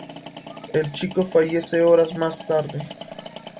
El chico fallece horas más tarde.